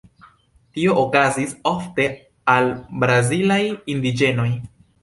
Tio okazis ofte al brazilaj indiĝenoj.